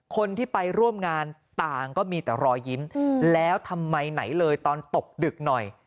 คนที่ไปร่วมงานต่างก็มีแต่รอยยิ้มแล้วทำไมไหนเลยตอนตกดึกหน่อย